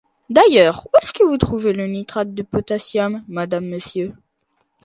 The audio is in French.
D’ailleurs, où est-ce que vous trouvez le nitrate de potassium, madame Monsieur ?